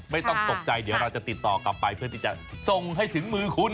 ไม่ต้องตกใจเดี๋ยวเราจะติดต่อกลับไปเพื่อที่จะส่งให้ถึงมือคุณ